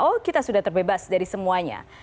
oh kita sudah terbebas dari semuanya